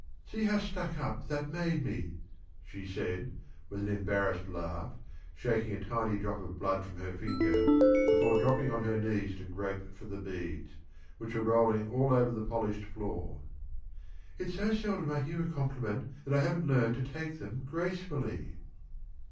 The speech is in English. "See how stuck up that made me," she said, with an embarrassed laugh, shaking a tiny drop of blood from her finger before dropping on her knees to grope for the beads, which were rolling all over the polished floor. "It's so seldom I hear a compliment that I haven't learned to take them gracefully."